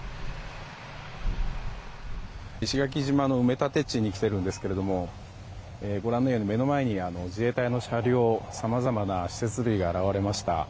石垣島の埋め立て地に来ているんですけどもご覧のように目の前に自衛隊の車両さまざまな施設類が現れました。